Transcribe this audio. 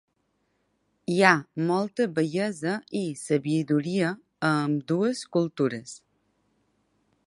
Hi ha molta bellesa i sabuderia a ambdues cultures.